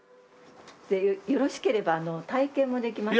よろしければ体験もできます。